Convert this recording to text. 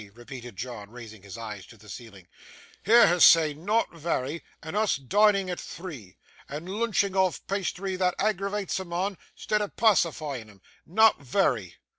repeated John, raising his eyes to the ceiling. 'Hear her say not vary, and us dining at three, and loonching off pasthry thot aggravates a mon 'stead of pacifying him! Not vary!